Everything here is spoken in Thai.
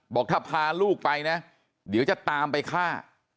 บอกถ้าพาลูกไปนะเดี๋ยวจะตามไปฆ่า